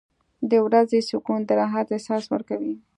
• د ورځې سکون د راحت احساس ورکوي.